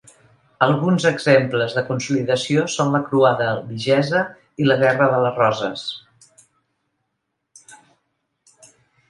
Alguns exemples de consolidació són la croada albigesa i la Guerra de les roses.